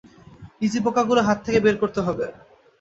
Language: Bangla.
লিজি পোকাগুলো হাত থেকে বের করতে হবে।